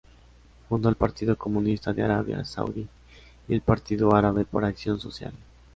Fundó el Partido Comunista de Arabia Saudí y el Partido Árabe por Acción Social.